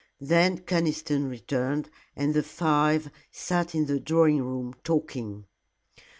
Then Conniston returned, and the five sat in the drawing room talking.